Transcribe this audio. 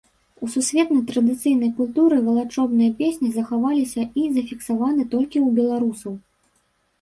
У сусветнай традыцыйнай культуры валачобныя песні захаваліся і зафіксаваны толькі ў беларусаў.